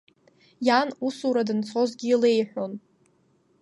Иан усура данцозгьы илеиҳәон.